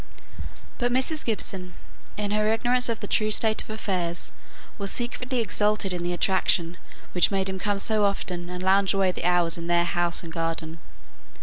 But Mrs. Gibson, in her ignorance of the true state of affairs, was secretly exultant in the attraction which made him come so often and lounge away the hours in her house and garden.